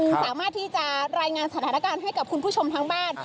คุณสามารถที่จะรายงานสถานการณ์ให้กับคุณผู้ชมทางบ้าน